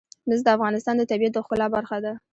مس د افغانستان د طبیعت د ښکلا برخه ده.